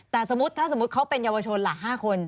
แต่ถ้าสมมติเขาเป็นเยาวชนหละ๕คน